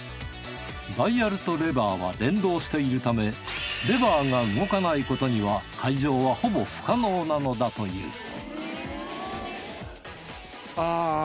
ダイヤルとレバーは連動しているためレバーが動かないことには開錠はほぼ不可能なのだというあ